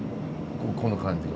この感じが。